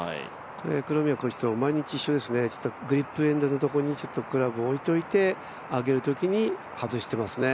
黒宮コーチと毎日一緒ですね、グリップエンドのところにクラブを置いておいて、上げるときに外していますね。